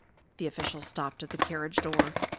The official stopped at the carriage door.